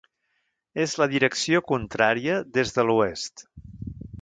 És la direcció contrària des de l'oest.